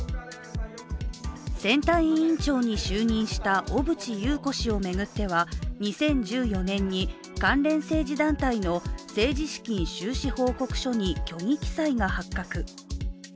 選対委員長に就任した小渕優子氏を巡っては２０１４年に関連政治団体の政治資金収支報告書に虚偽記載が発覚。